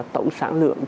tổng sản lượng